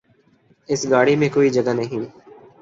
اس گاڑی میں کوئی جگہ نہیں